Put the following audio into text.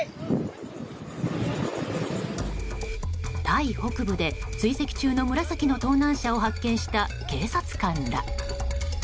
タイ北部で、追跡中の紫の盗難車を発見した警察官ら。